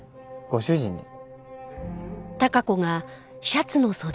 ご主人に？